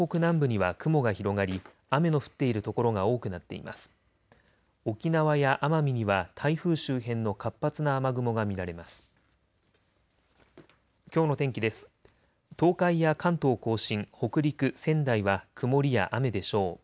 東海や関東甲信、北陸、仙台は曇りや雨でしょう。